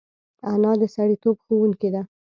انا د سړیتوب ښوونکې ده